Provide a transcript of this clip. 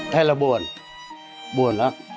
thật là buồn buồn lắm